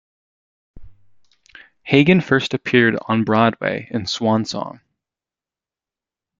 Hagen first appeared on Broadway in "Swan Song".